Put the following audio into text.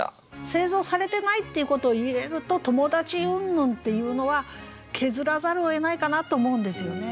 製造されてないっていうことを入れると友達うんぬんっていうのは削らざるをえないかなと思うんですよね。